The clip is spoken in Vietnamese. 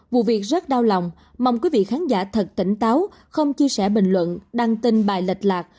vụ việc rất đau lòng mong quý vị khán giả thật tỉnh táo không chia sẻ bình luận đăng tin bài lệch lạc